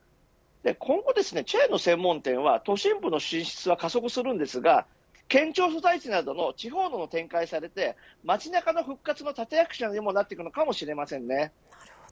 今後、チェーンの専門店は都市部への進出は加速しますが県庁所在地などの地方でも展開されて街中の復活の立役者にもなるかもしれません。